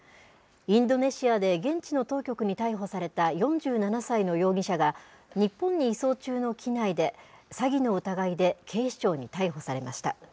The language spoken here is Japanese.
インドネシアで現地の当局に逮捕された４７歳の容疑者が、日本に移送中の機内で、詐欺の疑いで警視庁に逮捕されました。